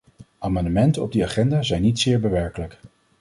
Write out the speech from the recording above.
Amendementen op die agenda zijn niet zeer bewerkelijk.